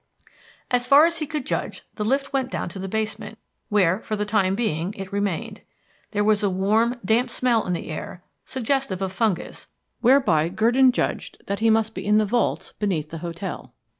As far as he could judge, the lift went down to the basement, where, for the time being, it remained. There was a warm damp smell in the air, suggestive of fungus, whereby Gurdon judged that he must be in the vaults beneath the hotel.